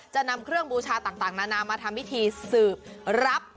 จะนำเครื่องบูชาต่างนานามาทำพิธีสืบรับ